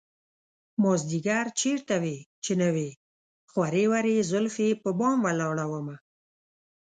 مازديگر چېرته وې چې نه وې خورې ورې زلفې په بام ولاړه ومه